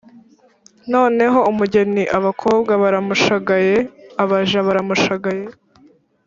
noneho umugeni abakobwa baramushagaye, abaja baramushagaye,